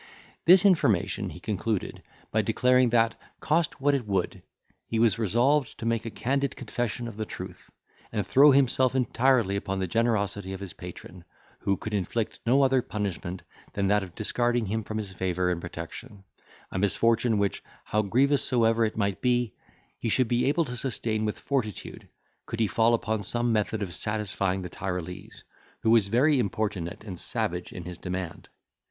This information he concluded, by declaring that, cost what it would, he was resolved to make a candid confession of the truth, and throw himself entirely upon the generosity of his patron, who could inflict no other punishment than that of discarding him from his favour and protection,—a misfortune which, how grievous soever it might be, he should be able to sustain with fortitude, could he fall upon some method of satisfying the Tyrolese, who was very importunate and savage in his demand.